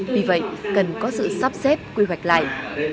vì vậy cần có sự sắp xếp quy hoạch lại